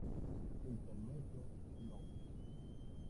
Intermezzo No.